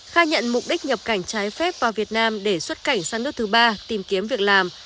khai nhận mục đích nhập cảnh trái phép vào việt nam để xuất cảnh sang nước thứ ba tìm kiếm việc làm